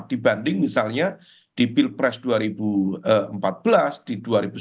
dibanding misalnya di pilpres dua ribu empat belas di dua ribu sembilan belas